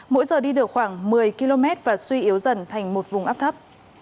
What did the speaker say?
mỗi giờ đi được khoảng một mươi km và suy yếu dần thành một vùng áp thấp